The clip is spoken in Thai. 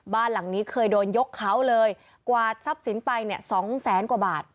บ้านหลังนี้เคยโดนยกเขาเลยกวาดทรัพย์สินไปเนี่ยสองแสนกว่าบาท